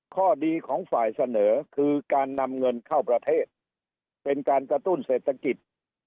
ข้อดีของฝ่ายเสนอคือการนำเงินเข้าประเทศเป็นการกระตุ้นเศรษฐกิจ